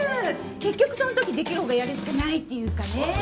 結局そん時できる方がやるしかないっていうかね